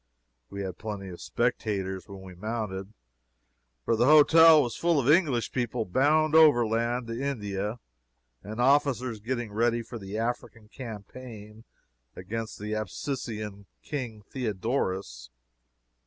We had plenty of spectators when we mounted, for the hotel was full of English people bound overland to India and officers getting ready for the African campaign against the Abyssinian King Theodorus.